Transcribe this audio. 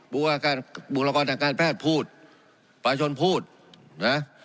บุรกรรมการแพทย์พูดประชนพูดนะ